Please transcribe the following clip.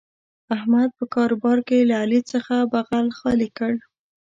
احمد په کاروبار کې له علي څخه بغل خالي کړ.